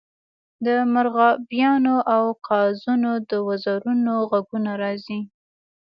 د مرغابیانو او قازونو د وزرونو غږونه راځي